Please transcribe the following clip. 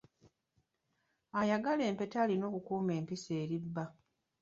Ayagala empeta alina okukuuma empisa eri bba.